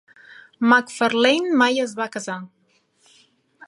McFarlane mai es va casar.